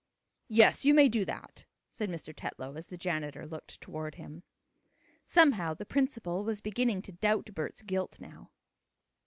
"Yes, you may do that," said Mr. Tetlow, as the janitor looked toward him. Somehow the principal was beginning to doubt Bert's guilt now.